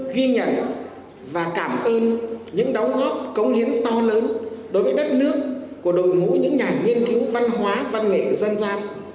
ghi nhận và cảm ơn những đóng góp công hiến to lớn đối với đất nước của đội ngũ những nhà nghiên cứu văn hóa văn nghệ dân gian